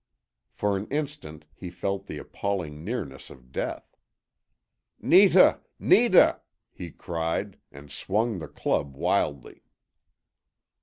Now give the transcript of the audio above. For an instant he felt the appalling nearness of death. "Netah! Netah!" he cried, and swung the club wildly.